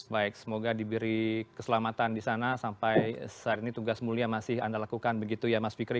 baik semoga diberi keselamatan di sana sampai saat ini tugas mulia masih anda lakukan begitu ya mas fikri